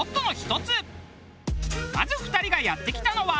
まず２人がやって来たのは。